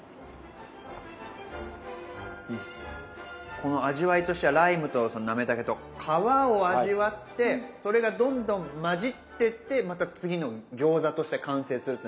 この味わいとしてはライムとなめたけと皮を味わってそれがどんどん混じってってまた次の餃子として完成するっていうのが。